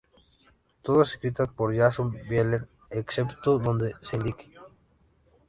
Todas escritas por Jason Bieler excepto donde se indique.